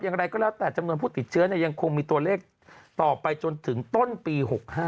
อย่างไรก็แล้วแต่จำนวนผู้ติดเชื้อยังคงมีตัวเลขต่อไปจนถึงต้นปี๖๕